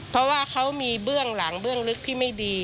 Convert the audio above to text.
เพราะว่าเขามีเบื้องหลังเบื้องลึกที่ไม่ดี